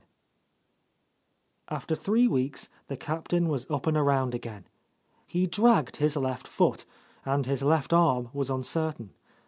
IX A fter three weeks the Captain was up and around again. He dragged his left foot, and his left arm was uncertain.